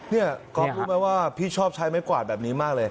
นี่ก๊อฟรู้ไหมว่าพี่ชอบใช้ไม้กวาดแบบนี้มากเลย